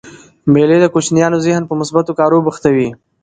مېلې د کوچنيانو ذهن په مثبتو کارو بوختوي.